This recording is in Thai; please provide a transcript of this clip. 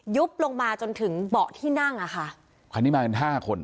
บลงมาจนถึงเบาะที่นั่งอ่ะค่ะคันนี้มากันห้าคน